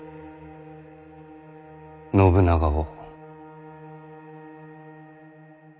信長を。